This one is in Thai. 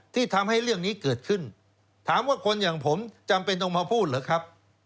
ที่ทำให้เรื่องนี้เกิดขึ้นถามว่าคนอย่างผมจำเป็นต้องมาพูดเหรอครับ